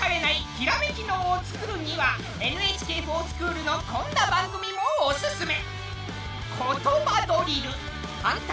ひらめき脳をつくるには「ＮＨＫｆｏｒＳｃｈｏｏｌ」のこんな番組もおすすめ。